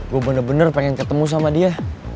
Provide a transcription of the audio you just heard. gue bener bener pengen ketemu sama dia